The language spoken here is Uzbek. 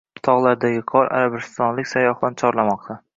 Tog‘lardagi qor arabistonlik sayyohlarni chorlamoqda